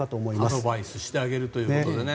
アドバイスをしてあげるということでね。